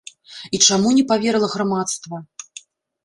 І чаму не паверыла грамадства?